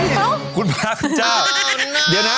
คุณพระคุณเจ้าเดี๋ยวนะ